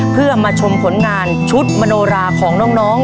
เพื่อมาชมผลงานชุดมโนราของน้อง